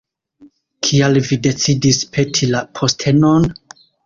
Kial vi decidis peti la postenon?